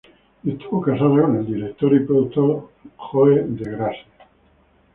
Estuvo casada con el director y productor Joe De Grasse.